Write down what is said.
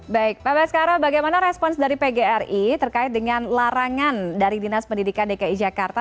baik pak baskara bagaimana respons dari pgri terkait dengan larangan dari dinas pendidikan dki jakarta